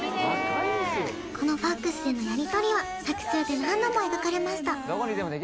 このファックスでのやりとりは作中で何度も描かれました